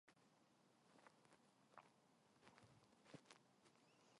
꿈칠 놀라 일어나려는 선비의 손을 덥석 쥐었다.